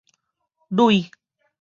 䉪